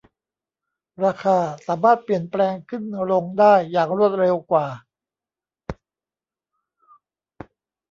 ราคาสามารถเปลี่ยนแปลงขึ้นลงได้อย่างรวดเร็วกว่า